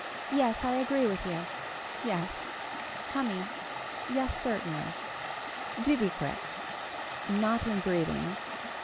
Yes I agree with you. Yes Coming. Yes certainly. Do be quick. Not in breathing.